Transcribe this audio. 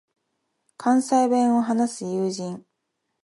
関西弁を話す友人